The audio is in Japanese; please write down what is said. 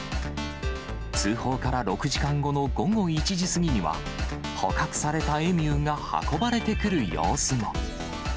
通報から６時間後の午後１時過ぎには、捕獲されたエミューが運ばれてくる様子も。